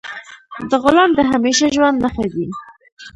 د غلام د همیشه ژوند نه ښه دی.